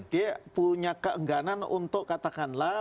dia punya keengganan untuk katakanlah